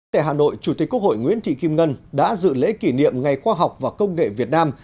tại hà nội chủ tịch quốc hội nguyễn thị kim ngân đã dự lễ kỷ niệm ngày khoa học và công nghệ việt nam